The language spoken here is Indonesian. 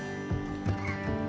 abu leluhur mereka